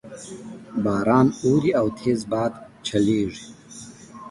باران اوري او تیز باد چلیږي